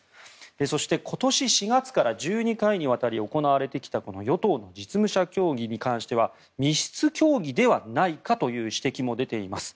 そして、今年４月から１２回にわたり行われてきたこの与党の実務者協議に関しては密室協議ではないかという指摘も出ています。